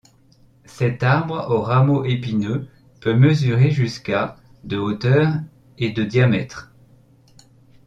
Cet arbre aux rameaux épineux peut mesurer jusqu'à de hauteur et de diamètre.